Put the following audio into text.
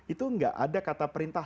itu nggak ada kata perintah